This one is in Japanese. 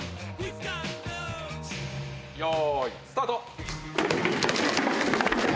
よいスタート。